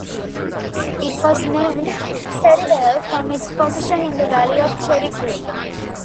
It was named Cherryvale from its position in the valley of Cherry Creek.